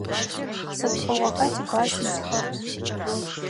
Сыд пкъыгъоха тикласс итхэр?